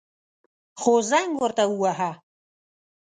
خو زنگ ورته وواهه.